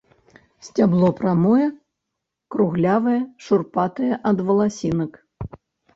Сцябло прамое, круглявае, шурпатае ад валасінак.